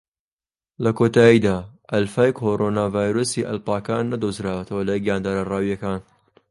لە کۆتایدا، ئەلفای کۆرۆنا ڤایرۆسی ئەڵپاکان نەدۆزراوەتەوە لە گیاندارە ڕاویەکان.